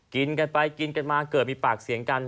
กินกันไปกินกันมาเกิดมีปากเสียงกัน